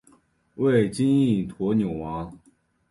为金印驼纽王。